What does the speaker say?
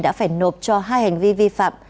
đã phải nộp cho hai hành vi vi phạm